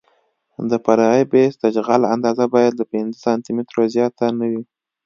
د فرعي بیس د جغل اندازه باید له پنځه سانتي مترو زیاته نه وي